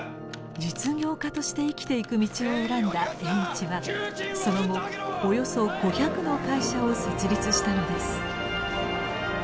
実業家として生きていく道を選んだ栄一はその後およそ５００の会社を設立したのです。